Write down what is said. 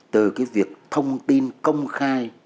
từ việc thông tin công khai